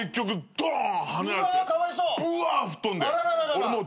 ドーン！